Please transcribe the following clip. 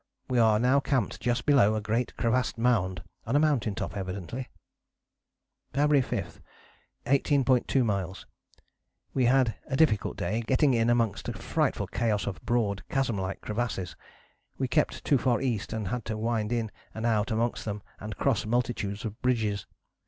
We are now camped just below a great crevassed mound, on a mountain top evidently." "February 5. 18.2 miles. We had a difficult day, getting in amongst a frightful chaos of broad chasm like crevasses. We kept too far east and had to wind in and out amongst them and cross multitudes of bridges.